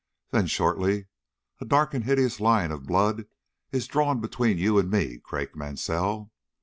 Then, shortly: "A dark and hideous line of blood is drawn between you and me, Craik Mansell.